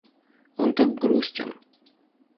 Он так грустен.